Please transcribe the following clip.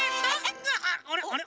あれ？